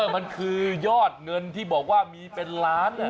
มันคือยอดเงินที่บอกว่ามีเป็นล้าน